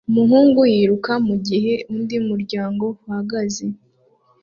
Umuhungu yiruka mugihe undi muryango uhagaze